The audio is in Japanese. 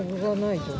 はい。